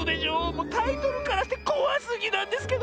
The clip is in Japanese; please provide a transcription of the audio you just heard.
もうタイトルからしてこわすぎなんですけど！